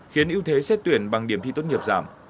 khiến ưu thế xét tuyển bằng điểm thi tốt nghiệp giảm